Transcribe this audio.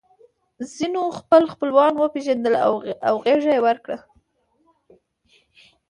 ځینو خپل خپلوان وپېژندل او غېږه یې ورکړه